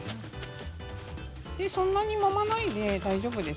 そんなにもまないで大丈夫です。